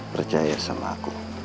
percaya sama aku